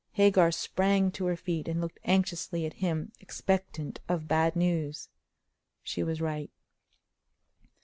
Hagar sprang to her feet, and looked anxiously at him, expectant of bad news. She was right.